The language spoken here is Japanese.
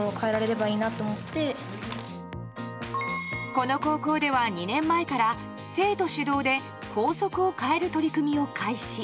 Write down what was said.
この高校では２年前から生徒主導で校則を変える取り組みを開始。